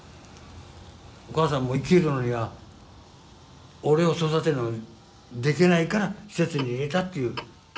お母さんも生きるのには俺を育てるのできないから施設に入れたっていう。